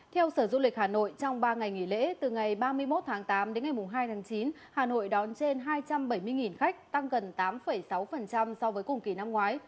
theo sở du lịch hà nội trong ba ngày nghỉ lễ từ ngày ba mươi một tháng tám đến ngày hai tháng chín hà nội đón trên hai trăm bảy mươi khách tăng gần tám sáu so với cùng kỳ năm ngoái